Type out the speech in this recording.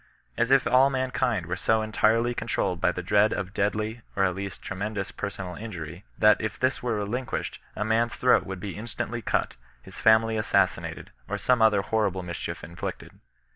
As if all mankind were so entirely control led by the dread of deadly, or at least, tremendous per sonal injury, that if this were relinquished a man's throat would be instantly cut, his fajnily assassinated, or some other horrible mischief inflicted.